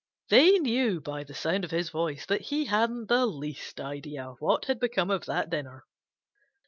They knew by the sound of his voice that he hadn't the least idea what had become of that dinner.